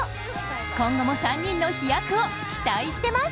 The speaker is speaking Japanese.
今後も３人の飛躍を期待しています！